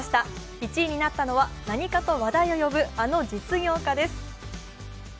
１位になったのは何かと話題を呼ぶあの実業家です。